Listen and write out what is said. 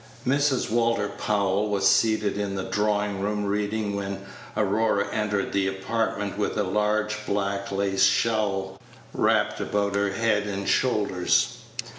Mrs. Walter Powell was seated in the drawing room reading when Aurora entered the apartment with a large black lace shawl wrapped about her head and shoulders.